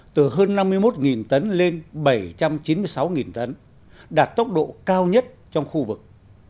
từ hơn năm mươi một tấn lên bảy trăm chín mươi sáu tấn đạt tốc độ cao nhất trong khu vực